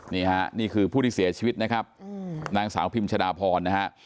นี่ฮะนี่คือผู้ที่เสียชีวิตนะครับนางสาวพิมชดาพรนะฮะ